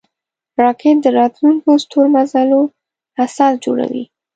راکټ د راتلونکو ستورمزلو اساس جوړوي